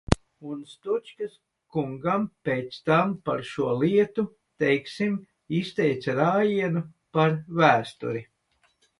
Un Stučkas kungam pēc tam par šo lietu, teiksim, izteica rājienu par vēsturi.